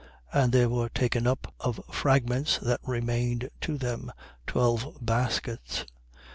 And there were taken up of fragments that remained to them, twelve baskets.